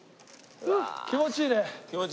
気持ちいいね。